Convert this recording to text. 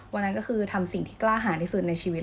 วันนั้นก็คือทำสิ่งที่กล้าหาที่สุดในชีวิต